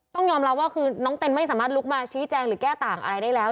ต้องยอมรับว่าคือน้องเต้นไม่สามารถลุกมาชี้แจงหรือแก้ต่างอะไรได้แล้ว